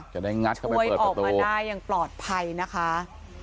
จะได้งัดเข้าไปเปิดประตูช่วยออกมาได้อย่างปลอดภัยนะคะ